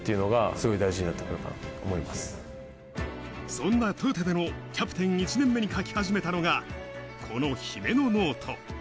そんなトヨタでのキャプテン１年目に書き始めたのがこの姫野ノート。